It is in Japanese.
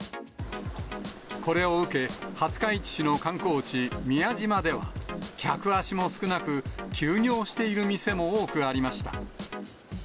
これを受け、廿日市市の観光地、宮島では、客足も少なく、休業している店も多くありました。